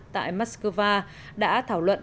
tại moscow đã thảo luận